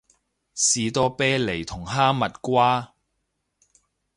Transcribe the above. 士多啤梨同哈蜜瓜